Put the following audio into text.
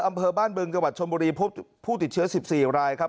อำเภอบ้านบึงจังหวัดชนบุรีพบผู้ติดเชื้อ๑๔รายครับ